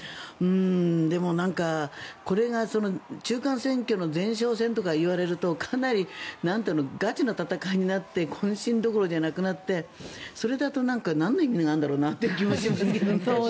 でも、なんか、これが中間選挙の前哨戦とかいわれるとかなりガチの戦いになって懇親どころじゃなくなってそれだとなんの意味があるんだろうなって思いますけど。